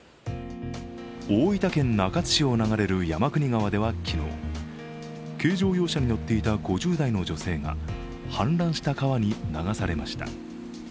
大分県中津市を流れる山国川では昨日、軽乗用車に乗っていた５０代の女性が氾濫した川に流されました。